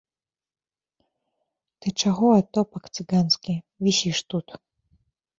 Ты чаго, атопак цыганскі, вісіш тут?